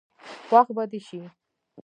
خوښ به دي شي.